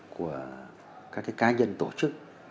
của các cái cá nhân tổ chức